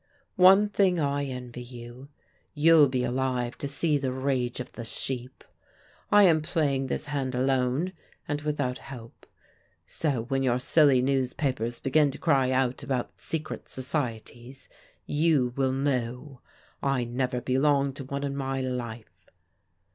"One thing I envy you you'll be alive to see the rage of the sheep. I am playing this hand alone and without help. So when your silly newspapers begin to cry out about secret societies, you will know. I never belonged to one in my life.